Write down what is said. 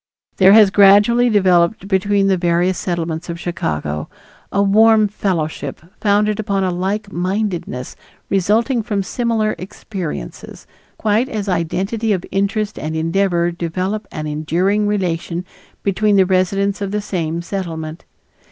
There has gradually developed between the various Settlements of Chicago a warm fellowship founded upon a like mindedness resulting from similar experiences, quite as identity of interest and endeavor develop an enduring relation between the residents of the same Settlement.